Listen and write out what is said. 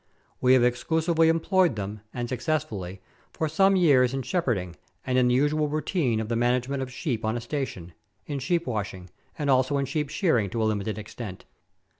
We have exclusively employed them, and successfully, for some years in shepherding and in the usual routine of the management of sheep on a station, in sheep washing, and also in sheep shearing to a limited extent.